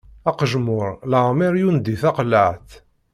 Aqejmuṛ, leɛmeṛ yundi taqellaɛt.